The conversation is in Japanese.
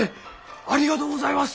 ありがとうございます！